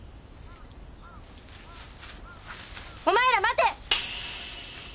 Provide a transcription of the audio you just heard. お前ら待て！